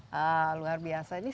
betul lahan sendiri